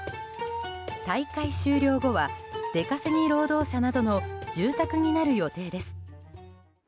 大会終了後は出稼ぎ労働者などの住宅になる予定です。